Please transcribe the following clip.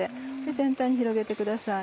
全体に広げてください。